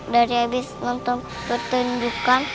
dari habis nonton pertunjukan